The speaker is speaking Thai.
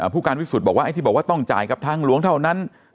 ผู้การวิสุทธิบอกว่าไอ้ที่บอกว่าต้องจ่ายกับทางหลวงเท่านั้น